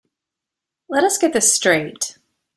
Let us get this straight.